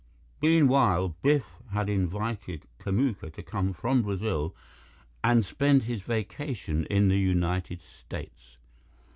Meanwhile, Biff had invited Kamuka to come from Brazil and spend his vacation in the United States.